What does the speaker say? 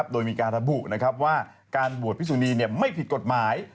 โดยมีการระบุว่าการบวชพิสุนีไม่ผิดกฎหมาย